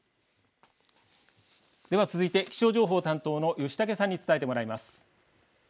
では続いて、気象情報担当の吉竹さんに伝えてもらいます。